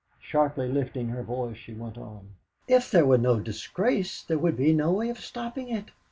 Sharply lifting her voice, she went on: "If there were no disgrace, there would be no way of stopping it.